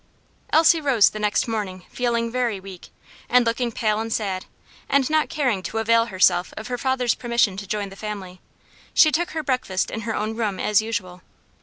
Elsie rose the next morning feeling very weak, and looking pale and sad: and not caring to avail herself of her father's permission to join the family, she took her breakfast in her own room, as usual.